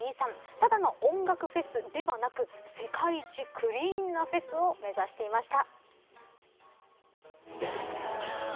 ただの音楽フェスではなく世界一クリーンなフェスを目指していました。